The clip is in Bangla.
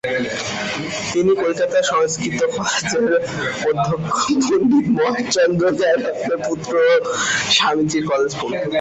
তিনি কলিকাতা সংস্কৃত কলেজের অধ্যক্ষ পণ্ডিত মহেশচন্দ্র ন্যায়রত্নের পুত্র ও স্বামীজীর কলেজ-বন্ধু।